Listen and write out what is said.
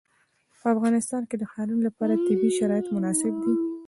په افغانستان کې د ښارونه لپاره طبیعي شرایط مناسب دي.